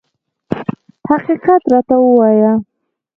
حقیقت راته ووایه.